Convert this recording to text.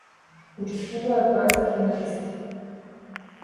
Учествуваат двајца финалисти.